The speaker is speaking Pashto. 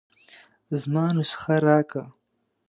زما نسخه راکه.